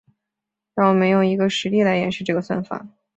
让我们用一个实例来演示这个算法。